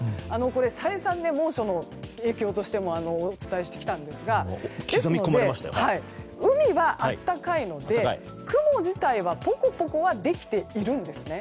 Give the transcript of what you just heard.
再三、猛暑の影響としてもお伝えしてきたんですが海は、あったかいので雲自体はポコポコはできているんですね。